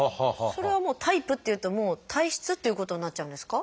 それはもうタイプっていうと体質っていうことになっちゃうんですか？